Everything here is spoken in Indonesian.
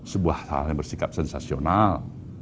sebuah hal yang bersikap sensasional